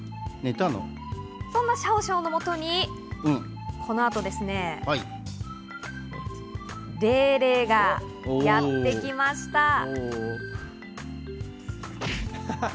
そんなシャオシャオのもとにこの後ですね、レイレイがやってきました。